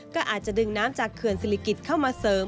ก็อาจจะดึงน้ำจากเขื่อนศิริกิจเข้ามาเสริม